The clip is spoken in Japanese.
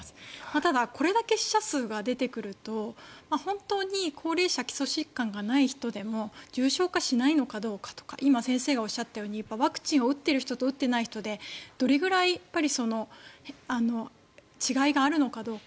ただこれだけ死者数が出てくると本当に高齢者基礎疾患がない人でも重症化しないのかどうかとか今、先生がおっしゃったようにワクチンを打っている人と打っていない人でどれぐらい違いがあるのかどうか。